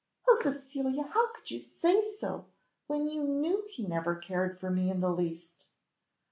"Oh, Cecilia, how could you say so, when you knew he never cared for me in the least?"